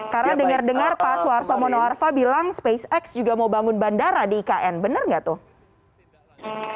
karena dengar dengar pak suarso mono arfa bilang spacex juga mau bangun bandara di ikn bener gak tuh